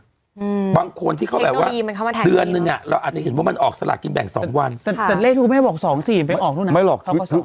อืมบางคนที่เขาแบบว่าเดือนหนึ่งอะเราอาจจะเห็นว่ามันออกสลากกินแบ่งสองวันค่ะแต่เลขทุกคนไม่บอกสองสี่มันออกทุกหนังไม่หรอกเขาก็สอง